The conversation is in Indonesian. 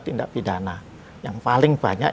tindak pidana yang paling banyak